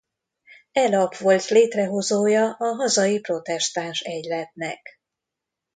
E lap volt létrehozója a hazai protestáns egyletnek.